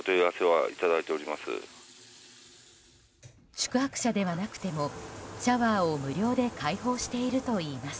宿泊者ではなくてもシャワーを無料で開放しているといいます。